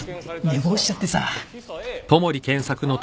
寝坊しちゃってさ。